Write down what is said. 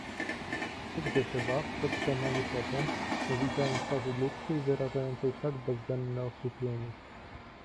"Nigdy chyba, przedtem, ani potem, nie widziałem twarzy ludzkiej, wyrażającej tak bezdenne osłupienie!"